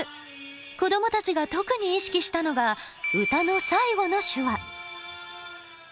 子どもたちが特に意識したのが歌の最後の手話。